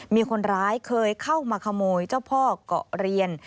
มีคนร้ายเคยเข้ามาขโมยเจ้าพ่อเกาะเรียน